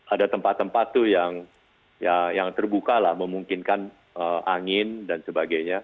ada tempat tempat tuh yang terbuka lah memungkinkan angin dan sebagainya